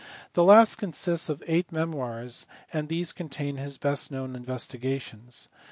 The last consists of eight memoirs and these contain his best known investigations.